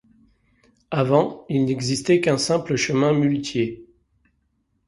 Avant, il n'existait qu'un simple chemin muletier.